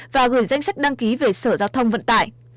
và gửi danh sách đăng ký về sở giao thông vận tải